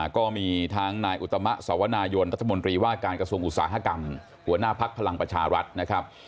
ก็มีทั้งนายอุตมะสวนายนรัฐมนตรีว่าการกระทรวงอุตสาหกรรมหัวหน้าพักพลังประชารัฐนะครับ